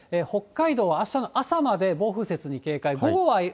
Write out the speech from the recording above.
北海道はあしたの朝まで、暴風雪に警戒。